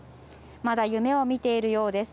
まだ夢を見ているようです。